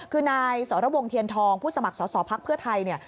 คือในสรวงเทียนทองผู้สมัครสอบพักเพื่อไทย